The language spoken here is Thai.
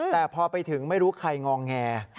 แต่พอไปถึงไม่รู้ใครงอแง